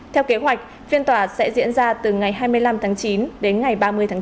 theo kế hoạch phiên tòa sẽ diễn ra từ ngày hai mươi năm tháng chín đến ngày ba mươi tháng chín